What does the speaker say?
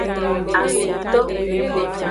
Asuto.